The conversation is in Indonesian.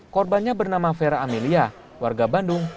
korbannya bernama vera amelia warga bandung